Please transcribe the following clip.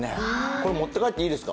これ、持って帰っていいですか？